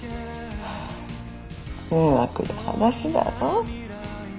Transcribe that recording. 迷惑な話だろ？